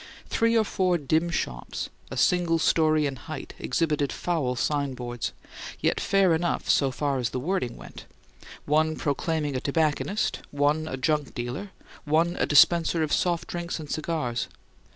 Three or four dim shops, a single story in height, exhibited foul signboards, yet fair enough so far as the wording went; one proclaiming a tobacconist, one a junk dealer, one a dispenser of "soft drinks and cigars."